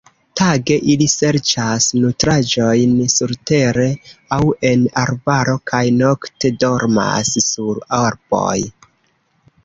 Tage ili serĉas nutraĵojn surtere aŭ en arbaro kaj nokte dormas sur arboj.